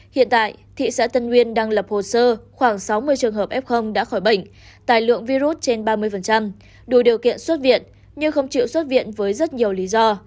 hiện tại thị xã tân nguyên đang lập hồ sơ khoảng sáu mươi trường hợp f đã khỏi bệnh tài lượng virus trên ba mươi đủ điều kiện xuất viện nhưng không chịu xuất viện với rất nhiều lý do